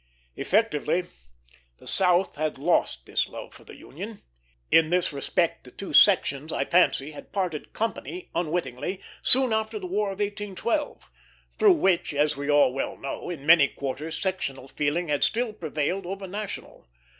Effectively, the South had lost this love of the Union. In this respect the two sections, I fancy, had parted company, unwittingly, soon after the War of 1812; through which, as we all well know, in many quarters sectional feeling had still prevailed over national.